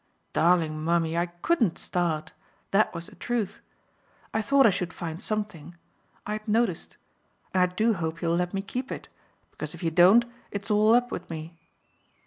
Darling mummy, I COULDN'T start that was the truth. I thought I should find something I had noticed; and I do hope you'll let me keep it, because if you don't it's all up with me.